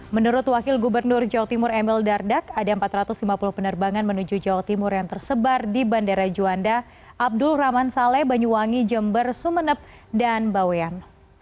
menurut wakil gubernur jawa timur emil dardak ada empat ratus lima puluh penerbangan menuju jawa timur yang tersebar di bandara juanda abdul rahman saleh banyuwangi jember sumeneb dan bawean